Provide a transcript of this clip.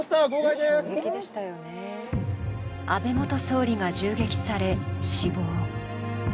安倍元総理が銃撃され、死亡。